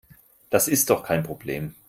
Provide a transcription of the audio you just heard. Das ist doch kein Problem.